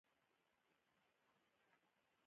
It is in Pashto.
د افغان کلی د صداقت کلی دی.